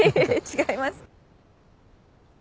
違います。